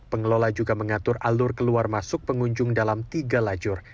pengelola juga mengatur alur keluar masuk pengunjung dalam tiga lajur